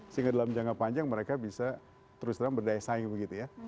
sehingga dalam jangka panjang mereka bisa terus terang berdaya saing begitu ya